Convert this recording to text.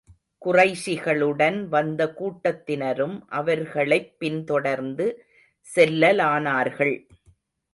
குறைஷிகளுடன் வந்த கூட்டத்தினரும் அவர்களைப் பின் தொடர்ந்து செல்லலானார்கள்.